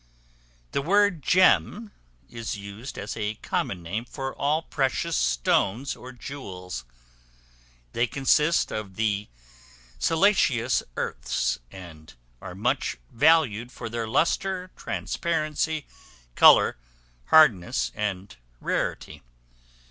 The word gem is used as a common name for all precious stones or jewels; they consist of the siliceous earths; and are much valued for their lustre, transparency, color, hardness, and rarity.